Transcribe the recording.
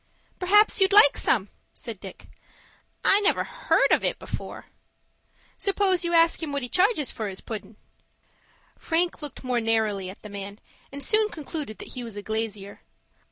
"Perhaps you'd like some," said Dick. "I never heard of it before." "Suppose you ask him what he charges for his puddin'." Frank looked more narrowly at the man, and soon concluded that he was a glazier.